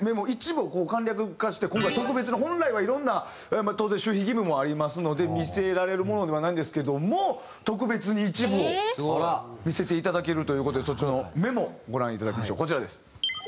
一部を簡略化して今回特別に本来はいろんな当然守秘義務もありますので見せられるものではないんですけども特別に一部を見せていただけるという事でそのメモご覧いただきましょうこちらです。